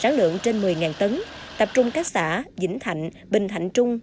sản lượng trên một mươi tấn tập trung các xã vĩnh thạnh bình thạnh trung